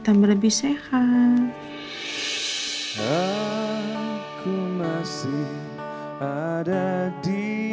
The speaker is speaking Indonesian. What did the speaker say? tambah lebih sehat